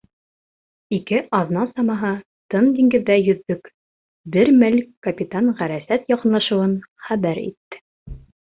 Ике аҙна самаһы тын диңгеҙҙә йөҙҙөк, бер мәл капитан ғәрәсәт яҡын-лашыуын хәбәр итте.